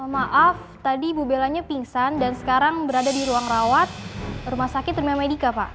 maaf tadi bu bellanya pingsan dan sekarang berada di ruang rawat rumah sakit termen medika pak